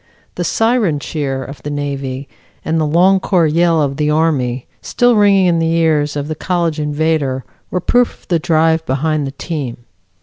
The "Siren Cheer" of the Navy and the "Long Corps Yell" of the Army still ringing in the ears of the college invader were proof of the drive behind the team.